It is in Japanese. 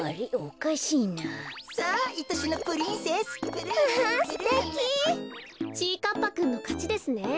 かっぱくんのかちですね。